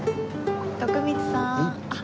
徳光さん。